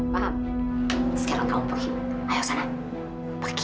pak sekarang kamu pergi ayo sana pergi